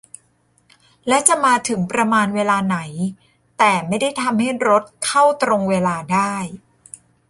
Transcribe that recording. และจะมาถึงประมาณเวลาไหน - แต่ไม่ได้ทำให้รถเข้าตรงเวลาได้